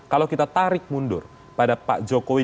kalau kita tarik mundur pada pak jokowi